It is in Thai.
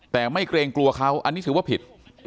แต่ไม่เกรงกลัวเขาอันนี้ถือว่าผิด